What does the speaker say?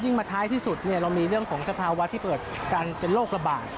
มาท้ายที่สุดเรามีเรื่องของสภาวะที่เกิดการเป็นโรคระบาด